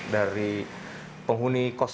dari penghuni kos